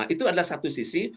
itu adalah satu sisi